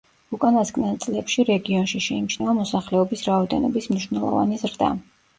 უკანასკნელ წლებში რეგიონში შეიმჩნევა მოსახლეობის რაოდენობის მნიშვნელოვანი ზრდა.